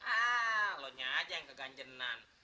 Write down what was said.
ah lo nyanyi aja yang keganjangan